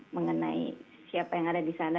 mengenai siapa yang ada di sana